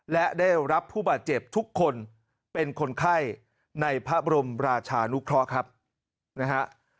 และได้รับผู้บาดเจ็บทุกคนเป็นคนไข้ในพระบรมราชานุเคราะห์ครับนะฮะ